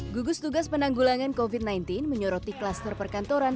gugus tugas penanggulangan covid sembilan belas menyoroti kluster perkantoran